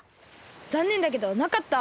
ざんねんだけどなかった。